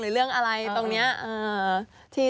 เรื่องอะไรตรงนี้